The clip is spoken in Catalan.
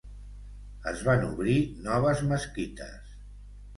Es van obrir noves mesquites.